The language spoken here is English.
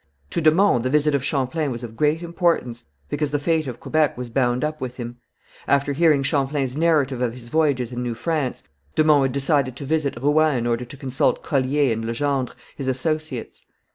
To de Monts the visit of Champlain was of great importance, because the fate of Quebec was bound up with him. After hearing Champlain's narrative of his voyages in New France, de Monts decided to visit Rouen in order to consult Collier and Legendre, his associates.